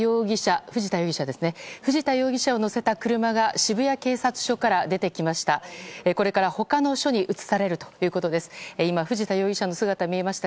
藤田容疑者を乗せた車が渋谷警察署から出てきました。